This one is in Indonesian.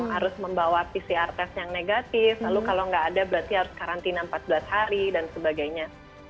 harus membawa pcr test yang negatif lalu kalau nggak ada berarti harus karantina empat belas hari dan sebagainya